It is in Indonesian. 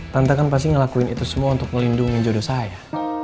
tante kan pasti ngelakuin itu semua untuk ngelindungi jodoh saya